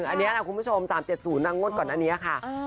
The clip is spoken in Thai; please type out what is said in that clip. อันนี้นะคุณผู้ชม๓๗๐นางงวดก่อนอันนี้ค่ะ